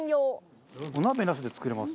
お鍋なしで作れます。